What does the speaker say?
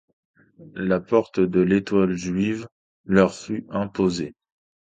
Le port de l'étoile juive leur fut imposé.